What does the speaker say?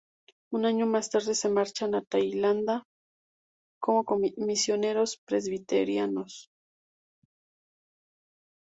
Un año más tarde se marchan a Tailandia como misioneros presbiterianos.